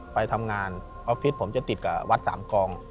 ไปทำงานออฟฟิศผมจะติดกับวัดสามกอง